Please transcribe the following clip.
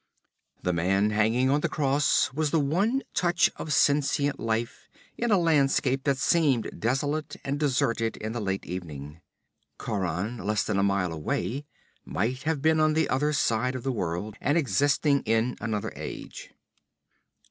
The man hanging on the cross was the one touch of sentient life in a landscape that seemed desolate and deserted in the late evening. Khauran, less than a mile away, might have been on the other side of the world, and existing in another age.